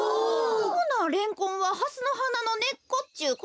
ほなレンコンはハスのはなのねっこっちゅうことやな？